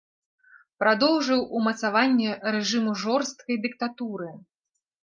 Прадоўжыў умацаванне рэжыму жорсткай дыктатуры.